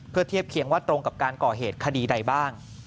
เพื่อเทียบเคียงว่าตรงกับการก่อเหตุคดีใดบ้าง